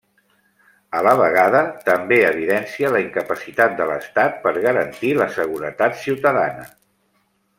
A la vegada, també evidencia la incapacitat de l'estat per garantir la seguretat ciutadana.